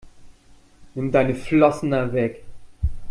Nimm deine Flossen da weg!